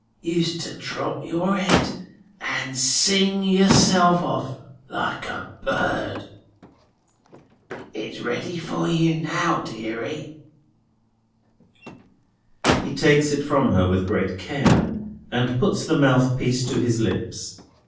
Used to drop your head, and sing yourself off like a bird! It's ready for you now, deary." He takes it from her with great care, and puts the mouthpiece to his lips.